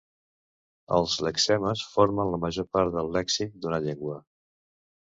Els lexemes formen la major part del lèxic d'una llengua.